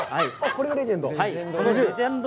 これがレジェンド？